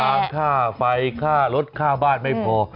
ค้าน้ำค่าไฟค่ารถค่าบ้านไม่พอ